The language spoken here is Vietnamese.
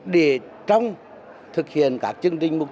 để trong thực hiện các chương trình mục tiêu